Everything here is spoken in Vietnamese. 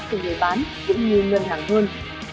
từ người bán cũng như ngân hàng hơn